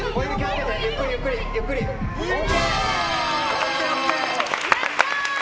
やったー！